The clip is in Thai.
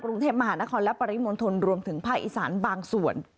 กรุงเทพมหานครและปริมณฑลรวมถึงภาคอีสานบางส่วน